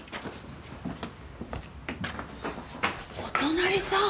お隣さん！？